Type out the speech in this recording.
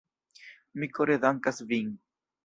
Mi kore dankas vin.